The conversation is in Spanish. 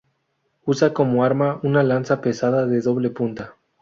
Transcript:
Usa como arma una lanza pesada de doble punta.